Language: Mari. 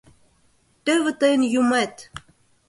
— Тӧвӧ тыйын юмет!